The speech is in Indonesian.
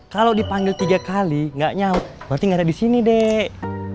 kalau dipanggil tiga kali gak nyaut berarti nggak ada di sini dek